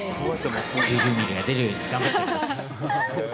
９０ミリが出るように頑張っていきます。